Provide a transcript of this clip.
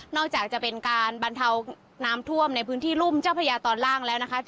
อกจากจะเป็นการบรรเทาน้ำท่วมในพื้นที่รุ่มเจ้าพระยาตอนล่างแล้วนะคะ